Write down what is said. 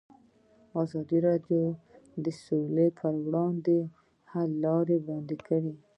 ازادي راډیو د سوله پر وړاندې د حل لارې وړاندې کړي.